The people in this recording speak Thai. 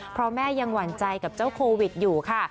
เพราะแม่ยังหวั่นใจกับเจ้าโควิดอยู่ค่ะ